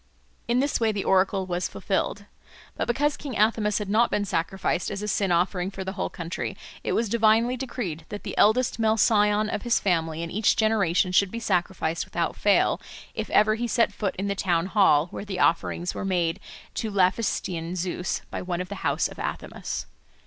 In this way the oracle was fulfilled. But because King Athamas had not been sacrificed as a sin offering for the whole country, it was divinely decreed that the eldest male scion of his family in each generation should be sacrificed without fail, if ever he set foot in the town hall, where the offerings were made to Laphystian Zeus by one of the house of Athamas.